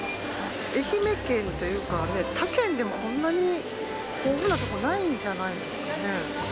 愛媛県というか他県でもこんなに豊富なとこないんじゃないですかね。